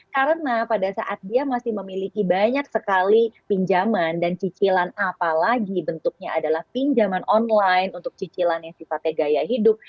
karena pada saat dia masih memiliki banyak sekali pinjaman dan cicilan apalagi bentuknya adalah pinjaman online untuk cicilan yang sifatnya gaya hidup